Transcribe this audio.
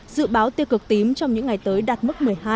dự báo tiêu cực tím trong những ngày tới đạt mức một mươi hai